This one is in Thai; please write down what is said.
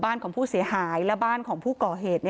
บ้านของผู้เสียหายและบ้านของผู้ก่อเหตุ